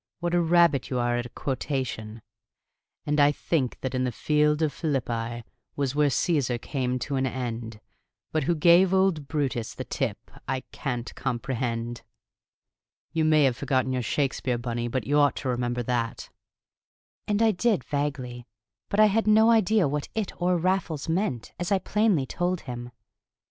What a rabbit you are at a quotation! "'And I think that the field of Philippi Was where Caesar came to an end; But who gave old Brutus the tip, I Can't comprehend!' "You may have forgotten your Shakespeare, Bunny, but you ought to remember that." And I did, vaguely, but had no idea what it or Raffles meant, as I plainly told him.